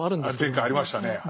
前回ありましたねぇはい。